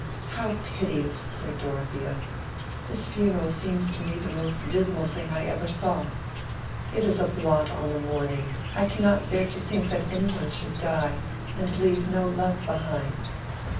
"How piteous!" said Dorothea. "This funeral seems to me the most dismal thing I ever saw. It is a blot on the morning. I cannot bear to think that any one should die and leave no love behind."